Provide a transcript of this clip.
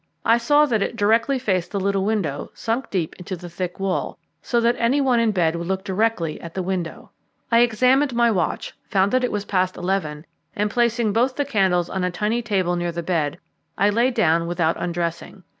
I saw that it directly faced the little window sunk deep into the thick wall, so that any one in bed would look directly at the window. I examined my watch, found that it was past eleven, and placing both the candles on a tiny table near the bed, I lay down without undressing.